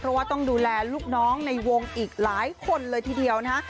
เพราะว่าต้องดูแลลูกน้องในวงอีกหลายคนเลยทีเดียวนะฮะ